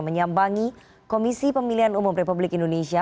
menyambangi komisi pemilihan umum republik indonesia